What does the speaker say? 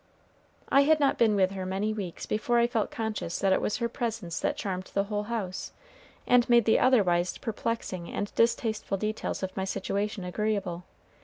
I had not been with her many weeks before I felt conscious that it was her presence that charmed the whole house, and made the otherwise perplexing and distasteful details of my situation agreeable.